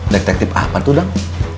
detektif apa tuh dang